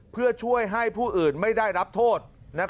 เพื่อช่วยให้ผู้อื่นไม่ได้รับโทษ